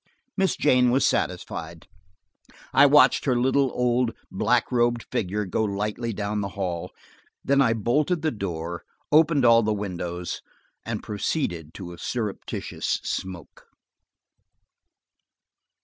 Miss Jane was satisfied. I watched her little, old, black robed figure go lightly down the hall. Then I bolted the door, opened all the windows, and proceeded to a surreptitious smoke.